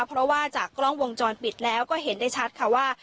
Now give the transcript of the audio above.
เพราะว่าจากกล้องวงจรปิดแล้วก็เห็นได้ชัดค่ะว่า